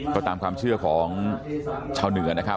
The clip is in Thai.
ก็ตามความเชื่อของชาวเหนือ